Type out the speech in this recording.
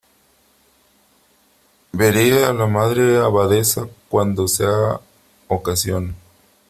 veré a la Madre Abadesa cuando sea ocasión .